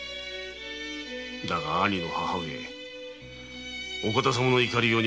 だが兄の母上「お方様」の怒りようには驚いた。